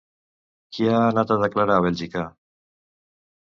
Qui ha anat a declarar a Bèlgica?